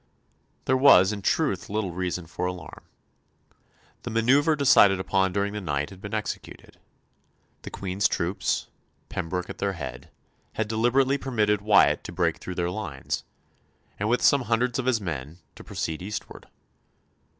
There was in truth little reason for alarm. The manœuvre decided upon during the night had been executed. The Queen's troops, Pembroke at their head, had deliberately permitted Wyatt to break through their lines, and, with some hundreds of his men, to proceed eastward.